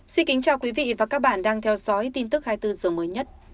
xin kính chào quý vị và các bạn đang theo dõi tin tức hai mươi bốn h mới nhất